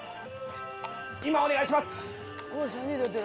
今、お願いします。